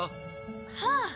はあ。